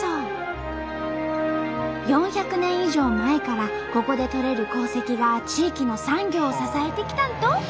以上前からここで採れる鉱石が地域の産業を支えてきたんと！